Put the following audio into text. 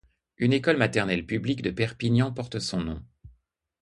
Une école maternelle publique de Perpignan porte son nom.